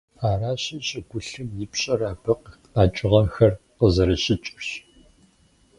Аращи, щӀыгулъым и пщӀэр абы къэкӀыгъэхэр къызэрыщыкӀырщ.